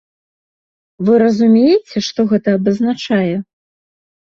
Вы разумееце, што гэта абазначае?